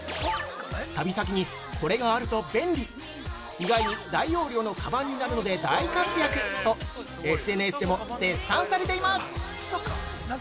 旅先にこれがあると便利、意外に大容量のかばんになるので大活躍と、ＳＮＳでも絶賛されています。